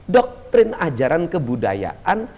doktrin ajaran kebudayaan